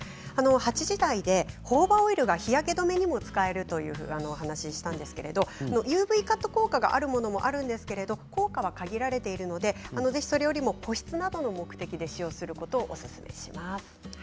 ８時台でホホバオイルが日焼け止めに使えるという話をしたんですがＵＶカット効果があるものもあるんですけど効果は限られているのでそれよりも保湿などを目的に使用することをおすすめします。